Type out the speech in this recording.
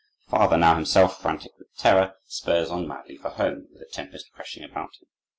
The father, now himself frantic with terror, spurs on madly for home, with the tempest crashing about him.